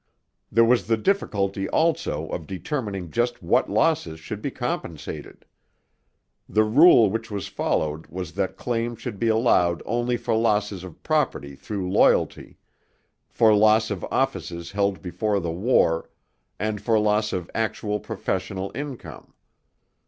There was the difficulty also of determining just what losses should be compensated. The rule which was followed was that claims should be allowed only for losses of property through loyalty, for loss of offices held before the war, and for loss of actual professional income.